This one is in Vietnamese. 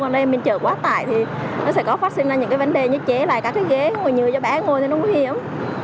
nếu mình chở quá tải thì nó sẽ có phát sinh ra những vấn đề như chế lại các cái ghế ngồi như vậy bán ngồi thì nó không hiểm